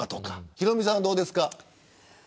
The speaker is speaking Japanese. ヒロミさん、どうですか。